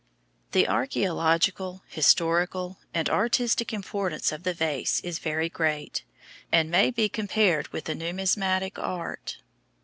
The archæological, historical, and artistic importance of the vase is very great, and may be compared with the numismatic art.